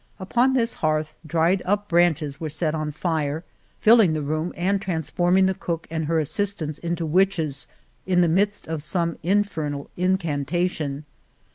Upon this hearth dried up branches were set on fire, filling the room and transforming the cook and her .<■■■■"^^: assistants into witches in the midst of some infernal incan tation.